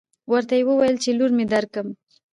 ورته يې وويل چې لور مې درکم.